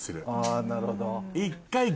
あなるほど。